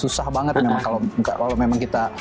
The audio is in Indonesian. susah banget memang kalau memang kita